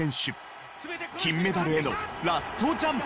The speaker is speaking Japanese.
金メダルへのラストジャンプ。